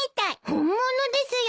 本物ですよ。